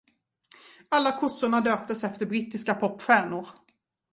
Alla kossorna döptes efter brittiska popstjärnor.